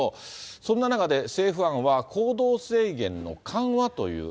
そんな中で、政府案は行動制限の緩和という。